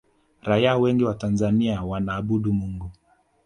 raia wengi wa tanzania wanaabudu mungu